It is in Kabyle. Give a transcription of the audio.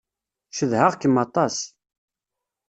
Cedhaɣ-kem aṭas.